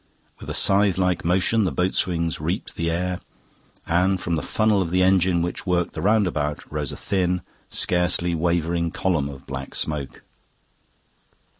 With a scythe like motion the boat swings reaped the air, and from the funnel of the engine which worked the roundabout rose a thin, scarcely wavering column of black smoke.